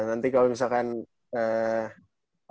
ya nanti kalau misalkan eh